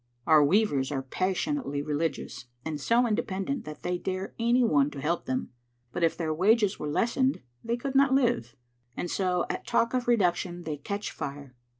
Our weavers are passionately religious, and so independent that they dare any one to help them, but if their wages were lessened they could not live. And so at talk of reduction they catch fire.